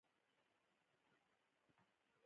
شا او خوا مې وکتل چې کوټه تیاره وه.